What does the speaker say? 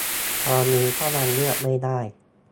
ตอนนี้ก็ยังเลือกไม่ได้